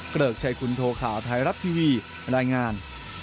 เกริกชัยคุณโทข่าวไทยรัฐทีวีรายงาน